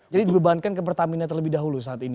jadi dibebankan ke pertamina terlebih dahulu saat ini